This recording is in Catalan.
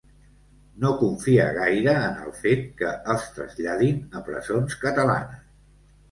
No confia gaire en el fet que els traslladin a presons catalanes.